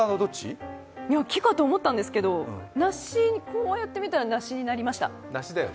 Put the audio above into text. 木かと思ったんですけどこうやって見たら梨になりました。